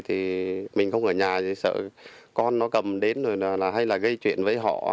thì mình không ở nhà thì sợ con nó cầm đến hay là gây chuyện với họ